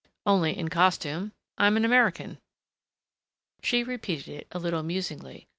"Only in costume. I am an American." She repeated it a little musingly.